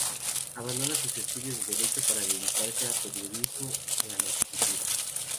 Abandona sus estudios de Derecho para dedicarse al periodismo y a la escritura.